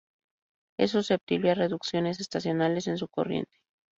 Es susceptible a reducciones estacionales en su corriente.